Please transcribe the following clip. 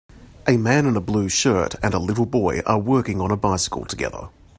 A man in a blue shirt and a little boy are working on a bicycle together.